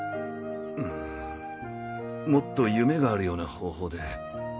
うんもっと夢があるような方法で。